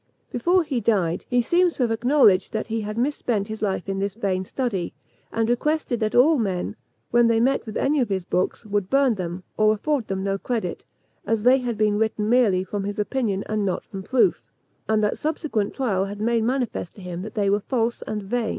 Before he died, he seems to have acknowledged that he had mis spent his life in this vain study, and requested that all men, when they met with any of his books, would burn them, or afford them no credit, as they had been written merely from his opinion, and not from proof; and that subsequent trial had made manifest to him that they were false and vain.